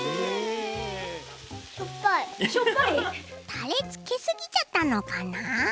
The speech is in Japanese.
タレつけすぎちゃったのかな？